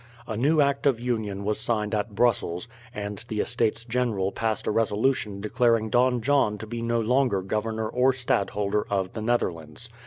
A new act of union was signed at Brussels, and the Estates General passed a resolution declaring Don John to be no longer governor or stadtholder of the Netherlands.